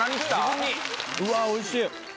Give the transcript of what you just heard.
うわっおいしい！